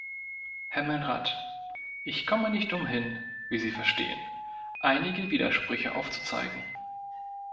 Herr Menrad, ich komme nicht umhin, wie Sie verstehen, einige Widersprüche aufzuzeigen.